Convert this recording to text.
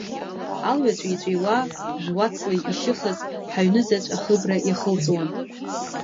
Алҩа ҵәии-ҵәиуа, жә-уацла ишьыхыз ҳаҩнызаҵә ахыбра иахылҵуан.